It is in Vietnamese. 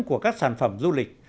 của các sản phẩm du lịch